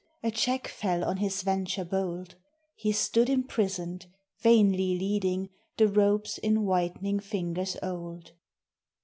A check fell on his venture bold: He stood imprisoned, vainly leading The ropes in whitening fingers old.